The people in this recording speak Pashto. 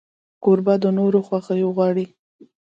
کوربه د نورو خوښي غواړي.